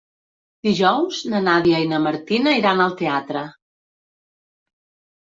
Dijous na Nàdia i na Martina iran al teatre.